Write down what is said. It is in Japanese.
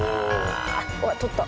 「うわっ捕った！」